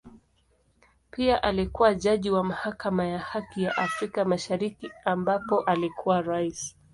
Pia alikua jaji wa Mahakama ya Haki ya Afrika Mashariki ambapo alikuwa Rais.